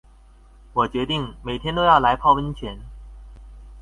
我決定每天都要來泡溫泉